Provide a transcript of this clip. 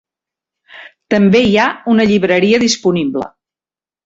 També hi ha una llibreria disponible.